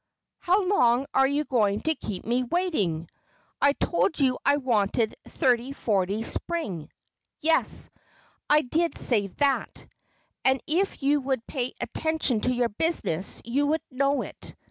how long are you going to keep me waiting? I told you I wanted '3040 Spring.' Yes! I did say that! and if you would pay attention to your business you would know it!